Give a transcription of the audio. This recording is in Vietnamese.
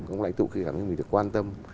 các lãnh tụ khi cảm thấy mình được quan tâm